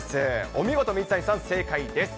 お見事、水谷さん、正解です。